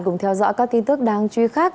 cùng theo dõi các tin tức đáng chú ý khác